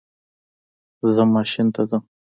زه ماشین ته ځم